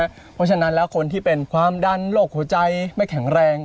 เพราะฉะนั้นแล้วคนที่เป็นความดันโรคหัวใจไม่แข็งแรง